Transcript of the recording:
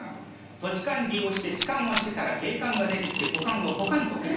土地勘利用して痴漢をしてたら警官が出てきて股間をポカンと蹴って。